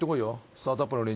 スタートアップの連中